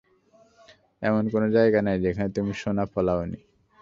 এমন কোনও জায়গা নেই যেখানে তুমি সোনা ফলাওনি!